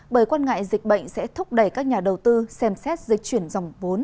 bởi quan ngại dịch bệnh sẽ thúc đẩy các nhà đầu tư xem xét dịch chuyển dòng vốn